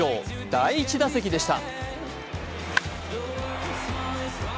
第１打席でした。